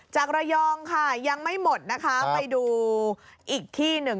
จากระยองค่ะยังไม่หมดนะคะไปดูอีกที่หนึ่ง